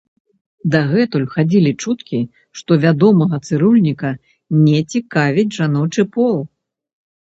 Дагэтуль хадзілі чуткі, што вядомага цырульніка не цікавіць жаночы пол.